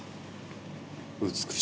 美しい。